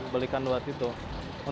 belikan buat itu